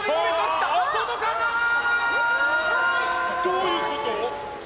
どういうこと？